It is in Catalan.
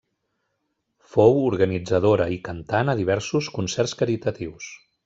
Fou organitzadora i cantant a diversos concerts caritatius.